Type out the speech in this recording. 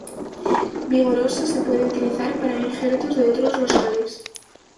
Vigorosa se puede utilizar para injertos de otros rosales.